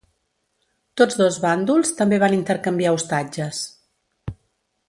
Tots dos bàndols també van intercanviar ostatges.